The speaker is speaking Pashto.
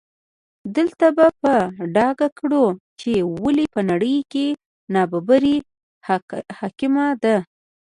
دلته به په ډاګه کړو چې ولې په نړۍ کې نابرابري حاکمه ده.